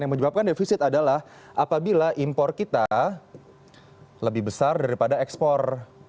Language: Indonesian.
yang menyebabkan defisit adalah apabila impor kita lebih besar daripada ekspor